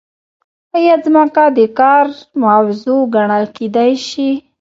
ایا ځمکه د کار موضوع ګڼل کیدای شي؟